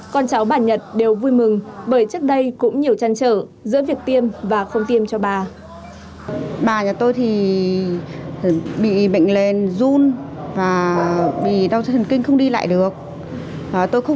con cháu bà nhật đều vui mừng bởi trước đây cũng nhiều trăn trở